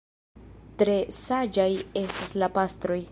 Tre saĝaj estas la pastroj!